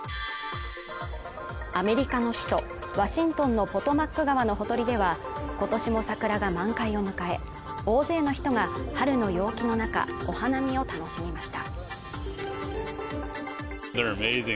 アメリカの首都ワシントンのポトマック川のほとりでは今年も桜が満開を迎え、大勢の人が春の陽気の中、お花見を楽しみました。